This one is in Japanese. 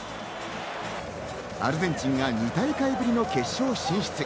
アルゼンチンが２大会ぶりの決勝進出。